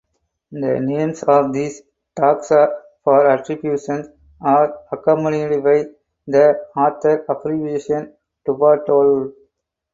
The names of these taxa (for attribution) are accompanied by the author abbreviation "Dubatolov".